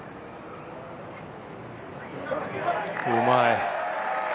うまい！